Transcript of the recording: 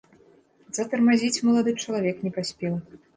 Затармазіць малады чалавек не паспеў.